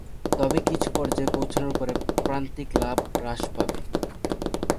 তবে কিছু পর্যায়ে পৌঁছানোর পরে, প্রান্তিক লাভ হ্রাস পাবে।